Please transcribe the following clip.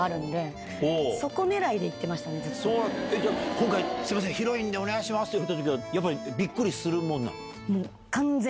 「今回ヒロインでお願いします」って言われた時はやっぱりびっくりするもんなの？